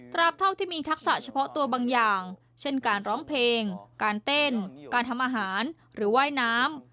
เท่าที่มีทักษะเฉพาะตัวบางอย่างเช่นการร้องเพลงการเต้นการทำอาหารหรือว่ายน้ำ